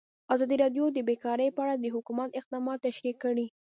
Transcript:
ازادي راډیو د بیکاري په اړه د حکومت اقدامات تشریح کړي.